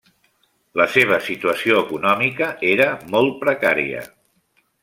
La seva situació econòmica era molt precària.